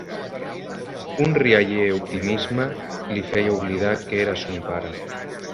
Un rialler optimisme li feia oblidar que era son pare.